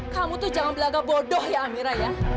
kamu tuh jangan bilangga bodoh ya amira ya